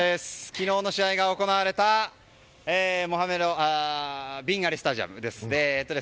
昨日、試合が行われたビン・アリ・スタジアムです。